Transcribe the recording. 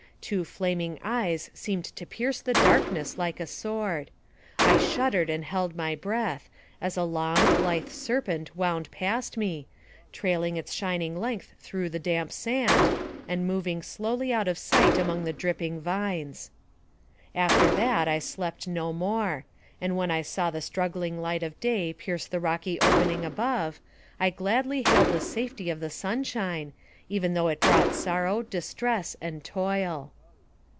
Two flaming eyes seemed to pierce the darkness like a sword. I shuddered and held my breath, as a long, lithe serpent wound past me, trailing its shining length through the damp sand, and moving slowly out of sight among the dripping vines. After that I slept no more; and when I saw the struggling light of day pierce the rocky opening above, I gladly hailed the safety of the sunshine, even though it brought sorrow, distress, and toil.